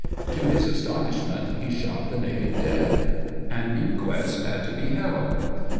To his astomshment^he shot the native dead. An inquest had to be held.